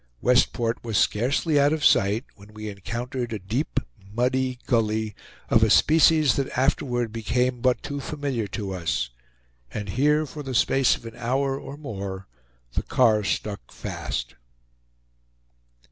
Westport was scarcely out of sight, when we encountered a deep muddy gully, of a species that afterward became but too familiar to us; and here for the space of an hour or more the car stuck fast.